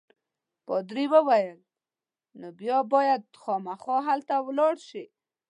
پادري وویل: نو بیا باید خامخا هلته ولاړ شې، ډېر خوند به درکړي.